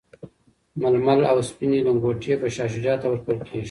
ململ او سپیني لنګوټې به شاه شجاع ته ورکول کیږي.